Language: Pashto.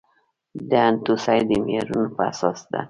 د انتوسای د معیارونو په اساس ده.